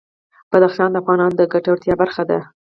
بدخشان د افغانانو د ګټورتیا برخه ده.